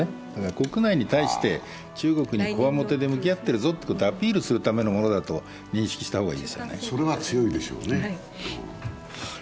国内に対して中国にこわもてで向き合ってるぞということをアピールするためのものだと認識した方がいいですよね。